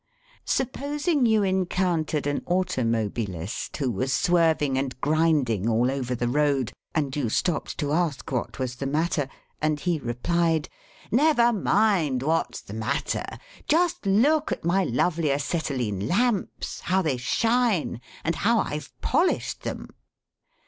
Supposing you encountered an automobilist who was swerving and grinding all over the road, and you stopped to ask what was the matter, and he replied: 'Never mind what's the matter. Just look at my lovely acetylene lamps, how they shine, and how I've polished them!'